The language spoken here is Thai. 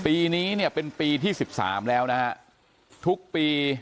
ปีนี้เนี่ยเป็นปีที่สิบสามแล้วนะฮะทุกปี